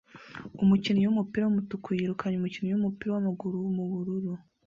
Umukinnyi wumupira wumutuku yirukanye umukinnyi wumupira wamaguru mubururu